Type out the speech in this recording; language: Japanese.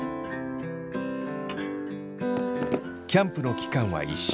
キャンプの期間は１週間。